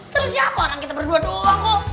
terus siapa orang kita berdua doang kok